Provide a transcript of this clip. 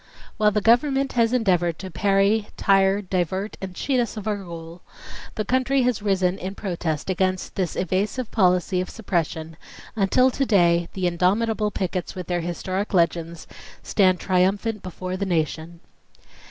While the government has endeavored to parry, tire, divert, and cheat us of our goal, the country has risen in protest against this evasive policy of suppression until to day the indomitable pickets with their historic legends stand triumphant before the nation."